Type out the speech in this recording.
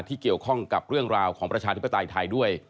ที่เกี่ยวข้องกับเรื่องราวของประชาธิปไตยไทยด้วย